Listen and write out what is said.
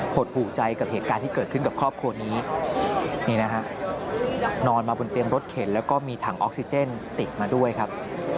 หดหูใจกับเหตุการณ์ที่เกิดขึ้นกับครอบครัวนี้นี่นะฮะนอนมาบนเตียงรถเข็นแล้วก็มีถังออกซิเจนติดมาด้วยครับ